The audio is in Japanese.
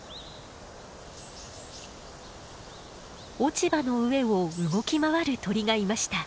落ち葉の上を動き回る鳥がいました。